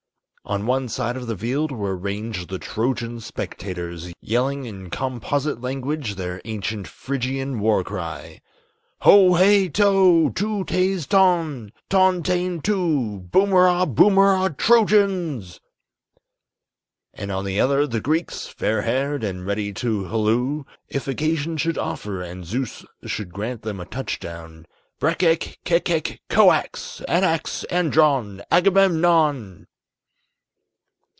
On one side of the field were ranged the Trojan spectators, Yelling in composite language their ancient Phrygian war cry; "Ho hay toe, Tou tais ton, Ton tain to; Boomerah Boomerah, Trojans!" And on the other, the Greeks, fair haired, and ready to halloo, If occasion should offer and Zeus should grant them a touch down, "_Breck ek kek kek koax, Anax andron, Agamemnon!